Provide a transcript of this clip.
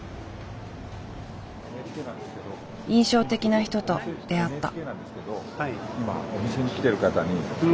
印象的な人と出会った。